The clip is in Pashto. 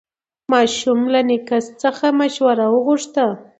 ماشوم له نیکه څخه مشوره وغوښته